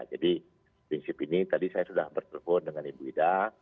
jadi prinsip ini tadi saya sudah berpengalaman dengan ibu ida